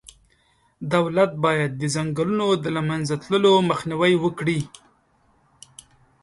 دولت باید د ځنګلونو د له منځه تللو مخنیوی وکړي.